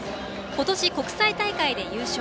今年、国際大会で優勝。